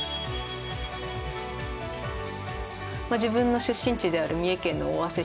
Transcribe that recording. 自分の出身地である三重県の尾鷲市。